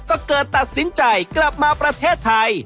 ก็เกิดตัดสินใจกลับมาประเทศไทย